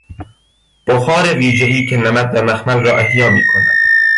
بخار ویژهای که نمد و مخمل را احیا میکند